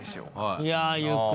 いやゆっくりと。